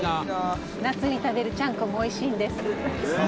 「夏に食べるちゃんこもおいしいんです」